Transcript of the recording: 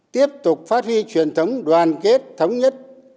tiếp tục phát huy truyền thống đoàn kết thống nhất